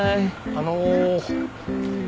あの。